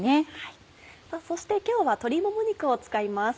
そして今日は鶏もも肉を使います。